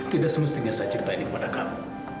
tidak semestinya saya cerita ini kepada kamu